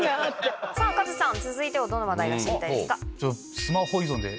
さぁカズさん続いてはどの話題が知りたいですか？